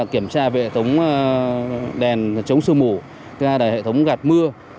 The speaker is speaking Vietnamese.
kiểm tra về hệ thống đèn chống sơ mù hệ thống gạt mưa